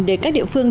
để các địa phương